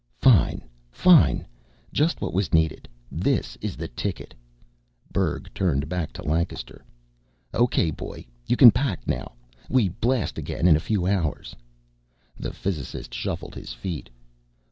"Fine, fine! Just what was needed. This is the ticket." Berg turned back to Lancaster. "Okay, boy, you can pack now. We blast again in a few hours." The physicist shuffled his feet.